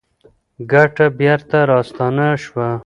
ګټه بېرته راستانه شوه.